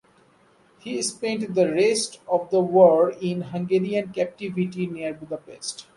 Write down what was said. He spent the rest of the war in Hungarian captivity near Budapest.